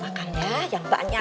makan ya yang banyak